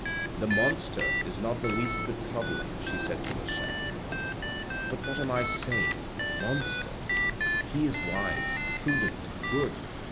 "The monster is not the least bit troubled," she said to herself. " But what am I saying ? Monster ? He is wise, prudent, good.